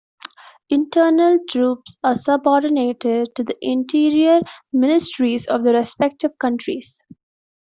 Internal Troops are subordinated to the interior ministries of the respective countries.